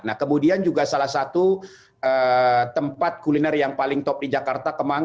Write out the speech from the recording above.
nah kemudian juga salah satu tempat kuliner yang paling top di jakarta kemang